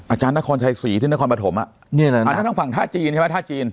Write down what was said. อาจารย์นครชัย๔ที่นครปฐมอันนี้ต้องฟังท่าจีนใช่ไหม